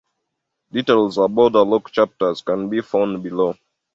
Details about Local Chapters can be found below.